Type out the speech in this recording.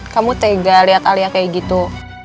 kamu tega lihat alia kayak gitu